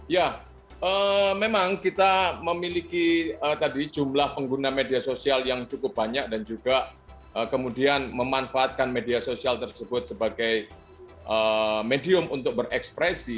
ya memang kita memiliki tadi jumlah pengguna media sosial yang cukup banyak dan juga kemudian memanfaatkan media sosial tersebut sebagai medium untuk berekspresi